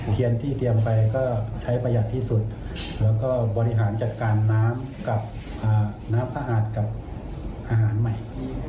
เทียนที่เตรียมไปก็ใช้ประหยัดที่สุดแล้วก็บริหารจัดการน้ำกับน้ำสะอาดกับอาหารใหม่